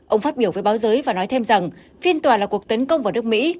ông phát biểu với báo giới và nói thêm rằng phiên tòa là cuộc tấn công vào nước mỹ